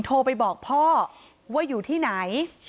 โทรไปบอกพ่อว่าอยู่ที่ไหน